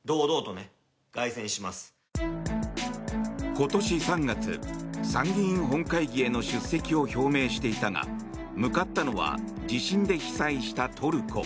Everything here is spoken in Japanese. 今年３月、参議院本会議への出席を表明していたが向かったのは地震で被災したトルコ。